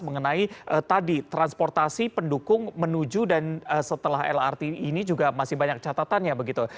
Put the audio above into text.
mengenai tadi transportasi pendukung menuju dan setelah lrt ini juga masih banyak catatannya begitu